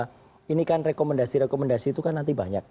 tapi sekali lagi bahwa ini kan rekomendasi rekomendasi itu kan nanti banyak